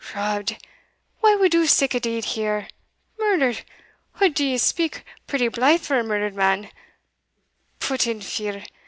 "Robbed! wha wad do sic a deed here? Murdered! od ye speak pretty blithe for a murdered man Put in fear!